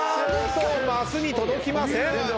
マスに届きません！